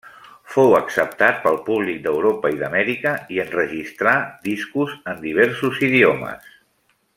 Fou acceptat pel públic d'Europa i d'Amèrica, i enregistrà discos en diversos idiomes.